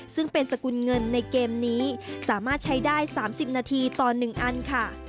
ซึ่งเป็นสกุลเงินในเกมนี้สามารถใช้ได้๓๐นาทีต่อ๑อันค่ะ